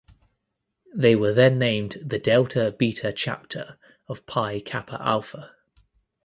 They were then named the Delta Beta Chapter of Pi Kappa Alpha.